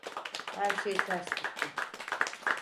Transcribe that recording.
Her şey ters gitti.